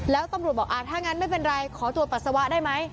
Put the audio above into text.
แล้วตำรวจบอกอ่าถ้างั้นไม่เป็นไรขอตรวจปัสสาวะได้ไหม